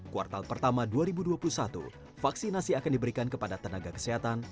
kuartal pertama dua ribu dua puluh satu vaksinasi akan diberikan kepada tenaga kesehatan